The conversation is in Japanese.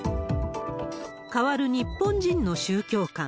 変わる日本人の宗教観。